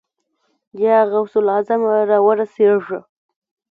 يا غوث الاعظمه! را رسېږه.